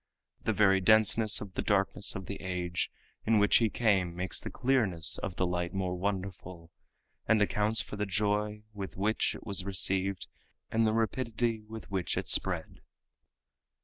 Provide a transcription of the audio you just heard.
The very denseness of the darkness of the age in which he came makes the clearness of the light more wonderful, and accounts for the joy with which it was received and the rapidity with which it spread.